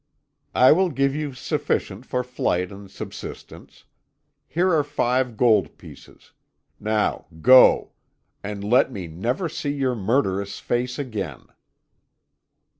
"I will give you sufficient for flight and subsistence. Here are five gold pieces. Now, go, and let me never see your murderous face again."